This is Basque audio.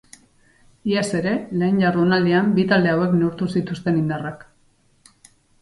Iaz ere lehen jardunaldian bi talde hauek neurtu zituzten indarrak.